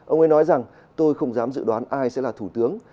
ông ấy nói rằng tôi không dám dự đoán ai sẽ là thủ tướng